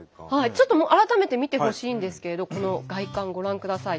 ちょっと改めて見てほしいんですけれどこの外観ご覧ください店舗の。